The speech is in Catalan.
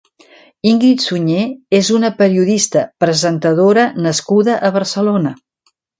Ingrid Sunyer és una periodista, Presentadora nascuda a Barcelona.